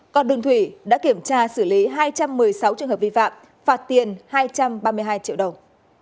còn đường thủy đã kiểm tra xử lý hai trăm một mươi sáu trường hợp vi phạm phạt tiền hai trăm ba mươi hai triệu đồng